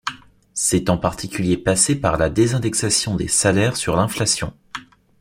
C'est en particulier passé par la désindexation des salaires sur l'inflation.